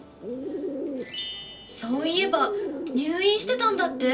そういえば入院してたんだって？